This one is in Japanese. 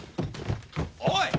おい！